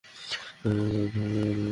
তারপর তার পবিত্র আত্মা উড়ে গেল।